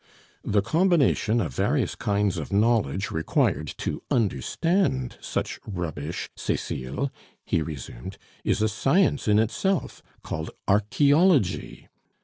"The combination of various kinds of knowledge required to understand such 'rubbish,' Cecile," he resumed, "is a science in itself, called archaeology.